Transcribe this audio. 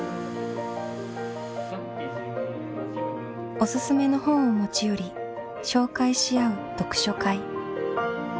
お薦めの本を持ち寄り紹介し合う読書会。